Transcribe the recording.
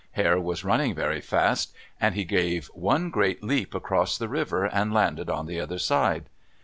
Hare was running very fast, and he gave one great leap across the river and landed on the other side.